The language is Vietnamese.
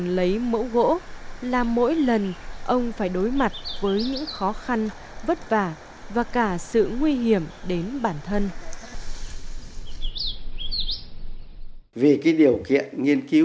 làm mỗi lần ông phải đối mặt với những khó khăn vất vả và cả sự nguy hiểm đến bản thân